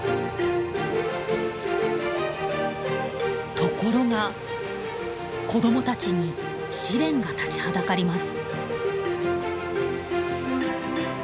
ところが子どもたちに試練が立ちはだかります。